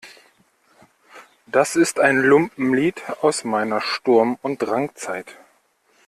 Das ist ein Lumpenlied aus meiner Sturm- und Drangzeit.